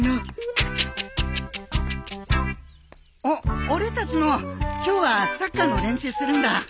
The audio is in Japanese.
お俺たちも今日はサッカーの練習するんだ。